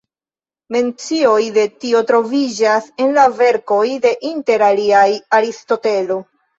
Mencioj de tio troviĝas en la verkoj de inter aliaj Aristotelo.